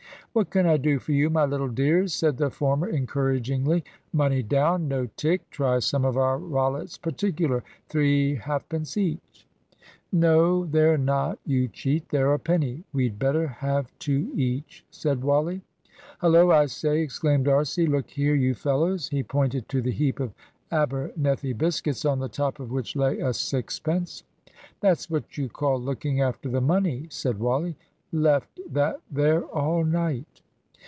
"What can I do for you, my little dears?" said the former, encouragingly. "Money down. No tick. Try some of our Rollitt's particular three halfpence each." "No, they're not, you cheat! they're a penny. We'd better have two each," said Wally. "Hullo! I say," exclaimed D'Arcy. "Look here, you fellows." He pointed to the heap of Abernethy biscuits, on the top of which lay a sixpence. "That's what you call looking after the money," said Wally. "Left that there all night."